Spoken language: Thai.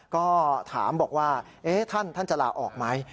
ก็ถามว่าเอ๊ท่านจะลาออกไหม